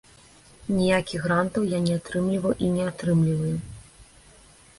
Ніякіх грантаў я не атрымліваў і не атрымліваю.